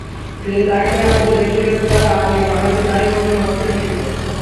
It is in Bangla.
ফিরে তাকালে হয়তো দেখতে পেত তাঁর আদরের কন্যাটি তারই মতন অশ্রুসিক্ত।